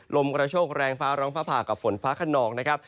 ลมกระโชกแรงฟ้าร้องฟ้าผ่ากับฝนฟ้าขนองนะครับ